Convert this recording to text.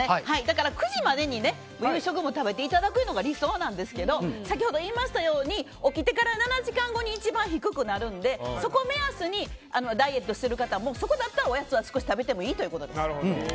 ９時までに夕食も食べていただくのが理想なんですけど先ほど言いましたように起きてから７時間後に一番低くなるので、そこ目安にダイエットしている方もそこだったら少しおやつは食べてもいいということです。